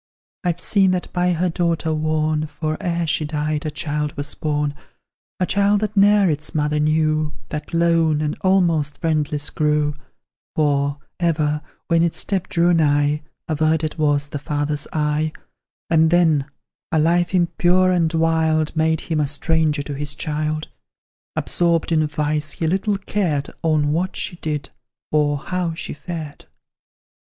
I've seen that by her daughter worn: For, ere she died, a child was born; A child that ne'er its mother knew, That lone, and almost friendless grew; For, ever, when its step drew nigh, Averted was the father's eye; And then, a life impure and wild Made him a stranger to his child: Absorbed in vice, he little cared On what she did, or how she fared.